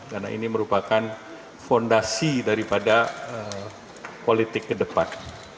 karena ini merupakan fondasi daripada politik ke depan